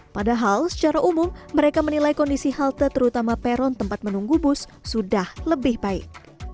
padahal secara umum mereka menilai kondisi halte terutama peron tempat menunggu bus sudah lebih baik